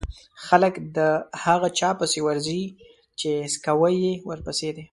خلک د هغه چا پسې ورځي چې څکوی يې ورپسې دی.